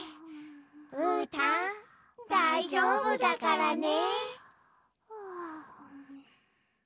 うーたんだいじょうぶだからね。